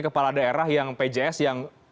kepala daerah pjs yang